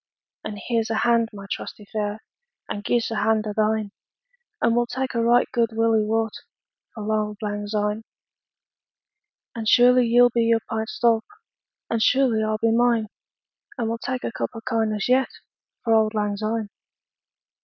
And here 's a hand, my trusty fiere, And gie's a hand o' thine; And we'll tak a right guid willie waught 15 For auld lang syne. And surely ye'll be your pint stowp, And surely I'll be mine; And we'll tak a cup o' kindness yet For auld lang syne!